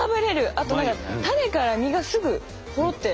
あと何か種から実がすぐほろって。